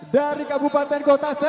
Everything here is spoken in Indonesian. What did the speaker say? dari kabupaten gotasembur